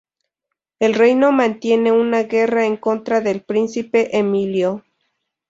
El reino mantiene una Guerra en contra del príncipe Emilio.